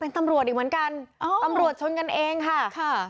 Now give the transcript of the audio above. มีตำรวจอีกเหมือนกันตำรวจชนกันเองค่ะ